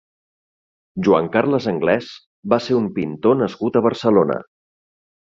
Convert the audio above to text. Joan Carles Anglès va ser un pintor nascut a Barcelona.